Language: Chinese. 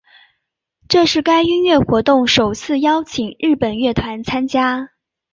这是该音乐活动首次邀请日本乐团参加。